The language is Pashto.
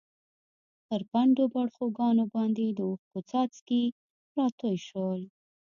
پر پڼډو باړخوګانو باندې د اوښکو څاڅکي راتوی شول.